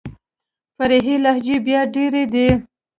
فرعي لهجې بيا ډېري دي.